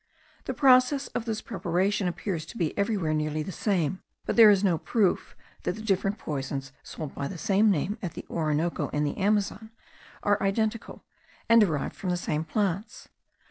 The process of this preparation appears to be everywhere nearly the same; but there is no proof that the different poisons sold by the same name at the Orinoco and the Amazon are identical, and derived from the same plants.